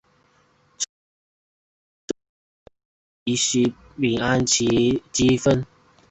这个作用可以使得对乙酰氨基酚。